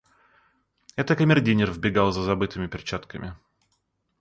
Это камердинер вбегал за забытыми перчатками.